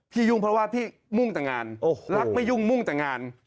ยุ่งเพราะว่าพี่มุ่งแต่งานรักไม่ยุ่งมุ่งแต่งาน